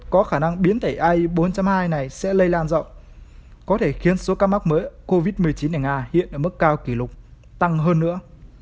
có khả năng biến thể ai bốn hai này sẽ lây lan rộng có thể khiến số ca mắc mới covid một mươi chín ở nga hiện ở mức cao kỷ lục tăng hơn nữa